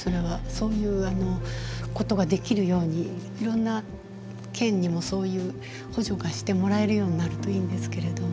そういうことができるようにいろんな県にもそういう補助がしてもらえるようになるといいんですけれども。